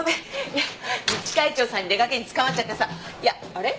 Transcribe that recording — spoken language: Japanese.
いや自治会長さんに出がけにつかまっちゃってさ。いやあれ？